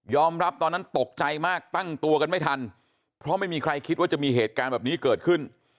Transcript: ตอนนั้นตกใจมากตั้งตัวกันไม่ทันเพราะไม่มีใครคิดว่าจะมีเหตุการณ์แบบนี้เกิดขึ้น